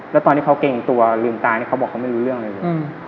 แล้วตอนที่เขาเกรงตัวลืมตานี่เขาบอกเขาไม่รู้เรื่องเลย